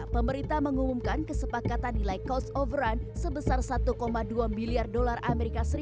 pemerintah mengumumkan kesepakatan nilai cost overrun sebesar satu dua miliar dolar as